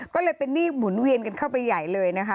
ก็เลยเป็นหนี้หมุนเวียนกันเข้าไปใหญ่เลยนะคะ